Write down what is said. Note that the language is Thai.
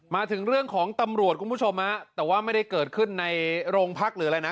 มาถึงเรื่องของตำรวจคุณผู้ชมฮะแต่ว่าไม่ได้เกิดขึ้นในโรงพักหรืออะไรนะ